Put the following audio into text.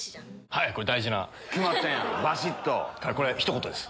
はいこれ大事なこれひと言です。